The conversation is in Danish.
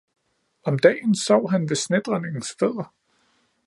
Om dagen sov han ved snedronningens fødder